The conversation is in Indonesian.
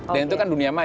dan itu kan dunia maya